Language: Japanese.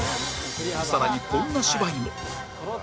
更にこんな芝居も